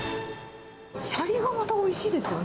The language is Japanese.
しゃりがまたおいしいですよね。